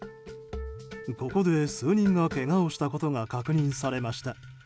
ここで数人がけがをしたことが確認されました。